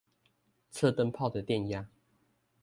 測燈泡的電壓